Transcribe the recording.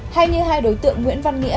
hay như hai đối tượng nguyễn văn nghĩa